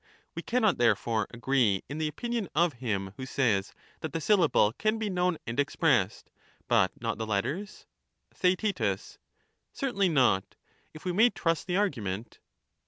We cannot, therefore, agree in the opinion of him who says that the syllable can be known and expressed, but 206 not the letters. Theaet Certainly not ; if we may trust the argument.